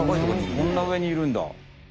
あんな上にいるんだ。